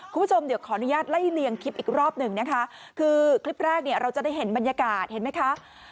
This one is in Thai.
คุณผู้ชมเดี๋ยวขออนุญาตไล่เลียงคลิปอีกรอบหนึ่งนะคะคือคลิปแรกเนี่ยเราจะได้เห็นบรรยากาศเห็นไหมคะ